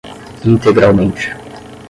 integralmente